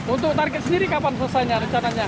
untuk target sendiri kapan selesainya rencananya